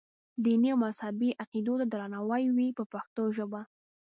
دیني او مذهبي عقیدو ته درناوی وي په پښتو ژبه.